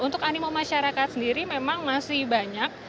untuk animo masyarakat sendiri memang masih banyak